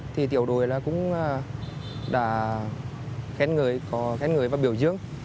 thì tiểu đùi cũng đã khén người và biểu dưỡng